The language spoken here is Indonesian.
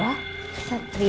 bahasanya lawan ya